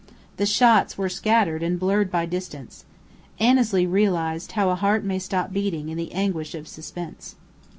The shots were scattered and blurred by distance. Annesley realized how a heart may stop beating in the anguish of suspense.